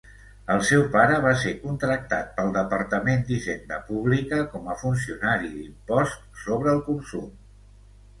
El seu pare va ser contractat pel departament d"Hisenda Pública com a funcionari d"impost sobre el consum.